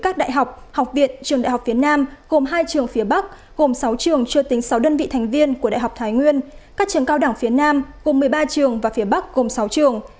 các đại học học viện trường đại học phía nam gồm hai trường phía bắc gồm sáu trường chưa tính sáu đơn vị thành viên của đại học thái nguyên các trường cao đẳng phía nam gồm một mươi ba trường và phía bắc gồm sáu trường